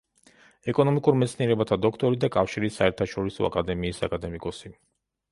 ეკონომიკურ მეცნიერებათა დოქტორი და კავშირის საერთაშორისო აკადემიის აკადემიკოსი.